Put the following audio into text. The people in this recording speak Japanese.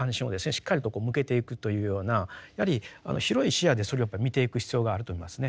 しっかりと向けていくというようなやはり広い視野でそれをやっぱり見ていく必要があると思いますね。